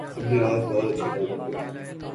تم نے آج بہت اچھا کام کیا